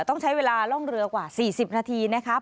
ต้องใช้เวลาล่องเรือกว่า๔๐นาทีนะครับ